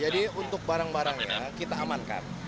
untuk barang barangnya kita amankan